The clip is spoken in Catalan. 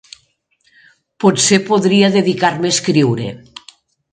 Potser podria dedicar-me a escriure.